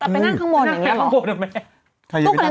แต่ไปนั่งข้างบนอย่างนี้หรอ